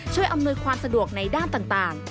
อำนวยความสะดวกในด้านต่าง